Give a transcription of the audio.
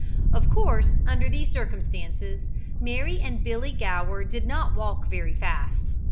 Of course, under these circumstances, Mary and Billy Gower did not walk very fast.